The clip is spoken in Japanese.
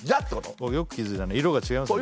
おおよく気付いたね色が違いますね